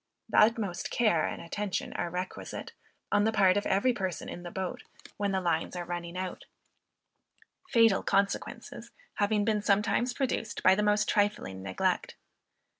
The utmost care and attention are requisite, on the part of every person in the boat, when the lines are running out; fatal consequences having been sometimes produced by the most trifling neglect.